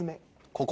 ここ？